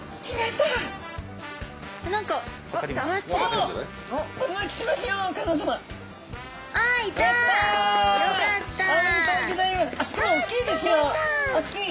しかも大きいですよ大きい。